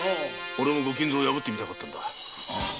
おれも御金蔵を破ってみたかったんだ。